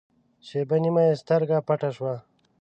شېبه نیمه یې سترګه پټه شوه.